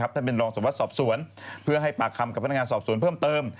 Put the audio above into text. ท่านเป็นรองสมวัตรสอบสวนเพื่อให้ปากคำกับพนักงานสอบสวนเพิ่มเติม